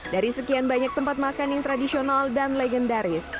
dari sekian banyak tempat makan yang tradisional dan legendaris